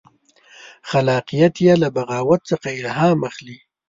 خلاقیت یې له بغاوت څخه الهام اخلي.